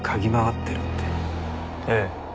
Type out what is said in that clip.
ええ。